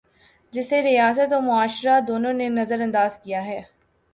جسے ریاست اور معاشرہ، دونوں نے نظر انداز کیا ہے۔